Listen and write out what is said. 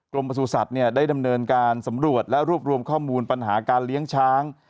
ประสูจัตว์ได้ดำเนินการสำรวจและรวบรวมข้อมูลปัญหาการเลี้ยงช้าง